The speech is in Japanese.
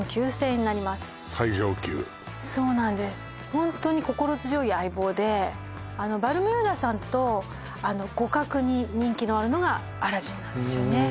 ホントに心強い相棒でバルミューダさんと互角に人気のあるのがアラジンなんですよね